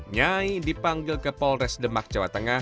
nyai dipanggil ke polres demak jawa tengah